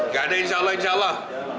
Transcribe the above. gak ada insya allah insya allah